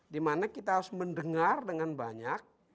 dimana kita harus mendengar dengan banyak